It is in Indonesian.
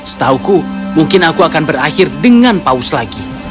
setauku mungkin aku akan berakhir dengan penyelamat